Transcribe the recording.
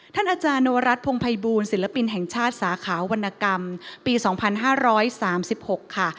อาจารย์นวรัฐพงภัยบูลศิลปินแห่งชาติสาขาวรรณกรรมปี๒๕๓๖ค่ะ